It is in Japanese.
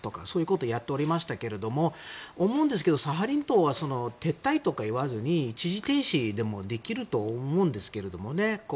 そういうことをやっておりましたが思うんですが、サハリン島は撤退とか言わずに一時停止でもできると思うんですけどね。